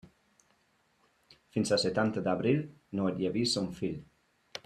Fins a setanta d'abril no et llevis un fil.